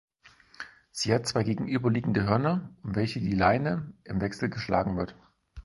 Sie hat zwei gegenüberliegende "Hörner", um welche die Leine im Wechsel geschlagen wird.